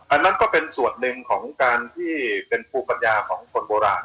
อันนั้นก็เป็นส่วนหนึ่งของการที่เป็นภูมิปัญญาของคนโบราณ